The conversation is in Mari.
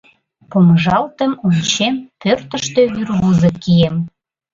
Помыжалтым, ончем: пӧртыштӧ вӱрвузык кием.